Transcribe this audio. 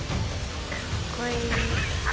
かっこいい。